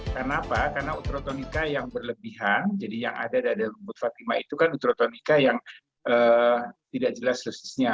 kenapa karena uterotonika yang berlebihan jadi yang ada di dalam rumput fatima itu kan uterotonika yang tidak jelas dosisnya